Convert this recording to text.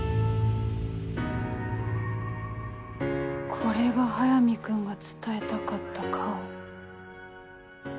これが早見君が伝えたかった顔。